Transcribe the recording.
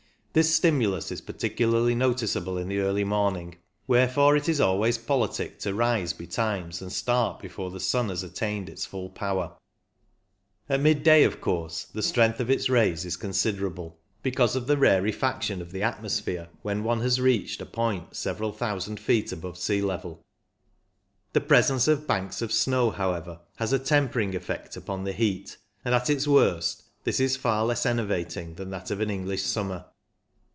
This stimulus is particularly noticeable in the early morning ; wherefore it is always politic to rise betimes and start before the sun has attained its full power. At mid THE LABOUR INVOLVED 219 day, of course, the strength of its rays is considerable, because of the rarefaction of the atmosphere when one has reached a point several thousand feet above sea level. The presence of banks of snow, however, has a tempering effect upon the heat, and at its worst this is far less enervating than that of an English summer.